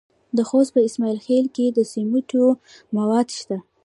د خوست په اسماعیل خیل کې د سمنټو مواد شته.